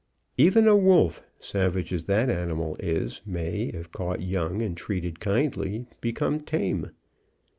Even a wolf, savage as that animal is, may, if caught young, and treated kindly, become tame.